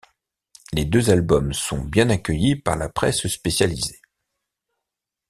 Les deux albums sont bien accueillis par la presse spécialisée.